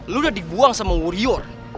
lu udah di buang sama warrior